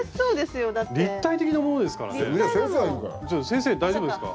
先生大丈夫ですか？